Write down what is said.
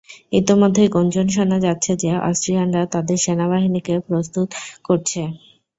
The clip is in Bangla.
ইতোমধ্যেই গুঞ্জন শোনা যাচ্ছে যে অস্ট্রিয়ানরা তাদের সেনাবাহিনীকে প্রস্তুত করছে।